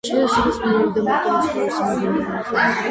შეიქმნა სოფლის მეურნეობა და მოხდა მეცხოველეობის მოდერნიზაცია.